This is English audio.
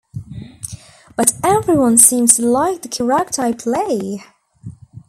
But everyone seems to like the character I play.